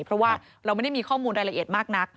เพราะว่าเราไม่ได้มีข้อมูลรายละเอียดมากนัก